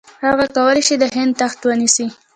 هغه کولای شي د هند تخت ونیسي.